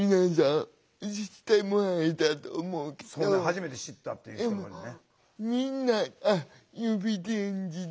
初めて知ったっていう人もいるね。